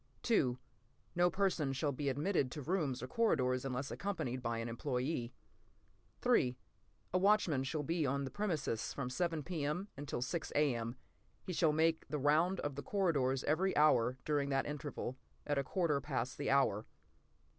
li> No person shall be admitted to rooms or corridors unless accompanied by an employee. A watchman shall be on the premises from 7 P.M. until 6 A.M. He shall make the round of the corridors every hour during that interval, at a quarter past the hour.